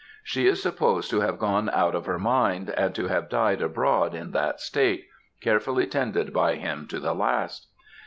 She is supposed to have gone out of her mind, and to have died abroad in that state, carefully tended by him to the last.